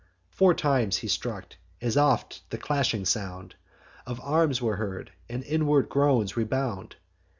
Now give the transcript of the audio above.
Four times he struck: as oft the clashing sound Of arms was heard, and inward groans rebound.